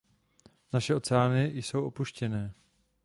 Naše oceány jsou opuštěné.